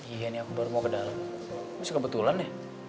iya nih aku baru mau ke dalam masuk kebetulan ya